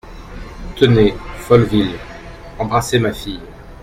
Tenez, Folleville, embrassez ma fille.